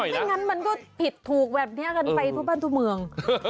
ไม่งั้นมันก็ผิดถูกแบบนี้กันไปทั่วบ้านทั่วเมือง